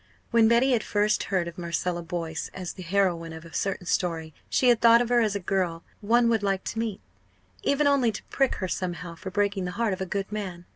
When Betty had first heard of Marcella Boyce as the heroine of a certain story, she had thought of her as a girl one would like to meet, if only to prick her somehow for breaking the heart of a good man.